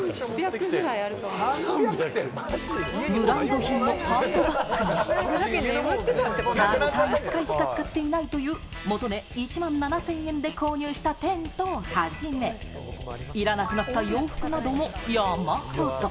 ブランド品のハンドバッグや、たった１回しか使っていないという、元値１万７０００円で購入したテントをはじめ、いらなくなった洋服なども山ほど。